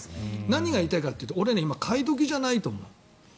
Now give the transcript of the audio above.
何が言いたいかというと俺は今、買い時じゃないと思う。